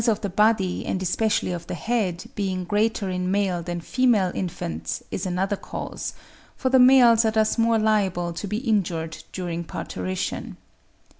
But the size of the body, and especially of the head, being greater in male than female infants is another cause: for the males are thus more liable to be injured during parturition.